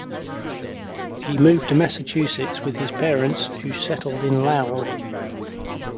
He moved to Massachusetts with his parents, who settled in Lowell.